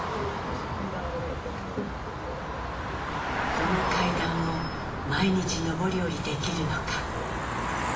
この階段を毎日上り下りできるのか。